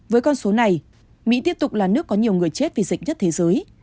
với con số này mỹ tiếp tục là nước có nhiều người chết vì dịch nhất thế giới